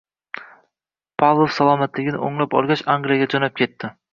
Pavlov salomatligini o‘nglab olgach, Angliyaga jo‘nab ketdi